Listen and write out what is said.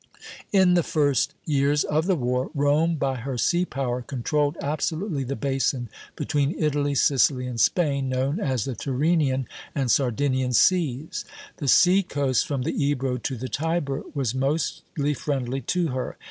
In the first years of the war, Rome, by her sea power, controlled absolutely the basin between Italy, Sicily, and Spain, known as the Tyrrhenian and Sardinian Seas. The sea coast from the Ebro to the Tiber was mostly friendly to her.